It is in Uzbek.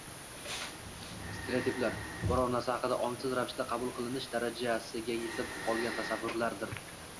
Stereotiplar – biror narsa haqida ongsiz ravishda qabul qilinish darajasiga yetib qolgan tasavvurlardir.